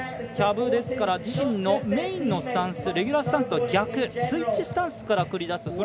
キャブですから自身のメインのスタンスレギュラースタンスとは逆スイッチスタンスから繰り出す